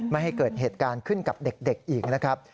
ไม่ให้เกิดเหตุการณ์ขึ้นกับเด็กอีกนะครับ